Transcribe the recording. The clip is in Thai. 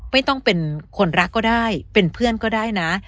ไม่ต้องเป็นคนรักก็ได้เป็นเพื่อนก็ได้นะ